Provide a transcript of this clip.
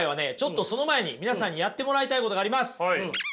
その前に皆さんにやってもらいたいことがあります。